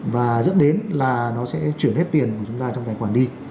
và dẫn đến là nó sẽ chuyển hết tiền của chúng ta trong tài khoản đi